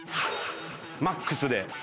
マックスで。